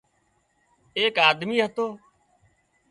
ايڪ آۮمي هتو